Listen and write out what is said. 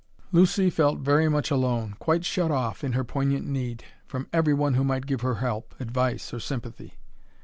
Lucy felt very much alone, quite shut off, in her poignant need, from every one who might give her help, advice, or sympathy.